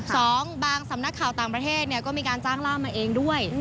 สองบางสำนักข่าวต่างประเทศเนี่ยก็มีการจ้างล่ามมาเองด้วย